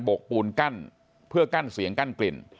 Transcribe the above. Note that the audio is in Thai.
กปูนกั้นเพื่อกั้นเสียงกั้นกลิ่น